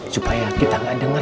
supaya kita gak denger